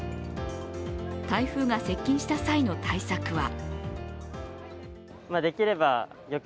台風が接近した際の対策は。